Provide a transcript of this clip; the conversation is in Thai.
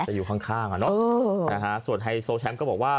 อยู่ข้างอ่ะเนอะนะฮะส่วนไฮโซแชมป์ก็บอกว่า